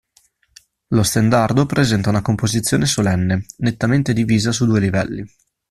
Lo stendardo presenta una composizione solenne, nettamente divisa su due livelli.